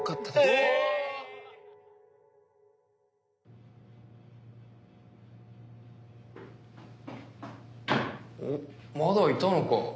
おっまだいたのか。